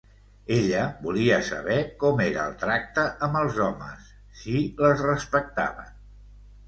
Ella volia saber com era el tracte amb els homes, si les respectaven.